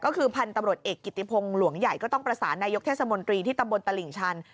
ก็คือพันธุ์ตำรวจเอกกิติพงศ์หลวงใหญ่ก็ต้องประสานนายกเทศมนตรีที่ตำบลตลิ่งชัน